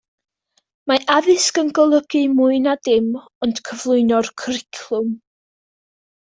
Mae addysg yn golygu mwy na dim ond cyflwyno cwricwlwm.